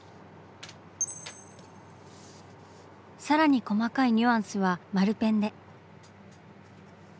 さらに細かいニュアンスは丸ペンで。